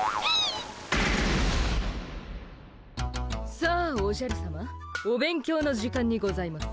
さあおじゃるさまお勉強の時間にございます。